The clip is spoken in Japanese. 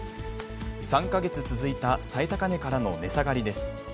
３か月続いた最高値からの値下がりです。